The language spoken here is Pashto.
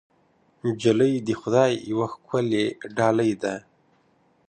نجلۍ د خدای یوه ښکلی ډالۍ ده.